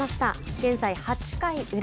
現在８回裏。